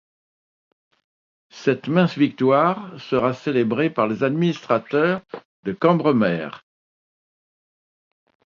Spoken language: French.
Cette mince victoire sera célébrée par les administrateurs de Cambremer.